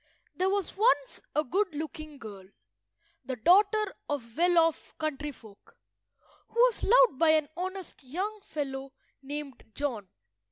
There was once a good–looking girl, the daughter of well–off country folk, who was loved by an honest young fellow named John.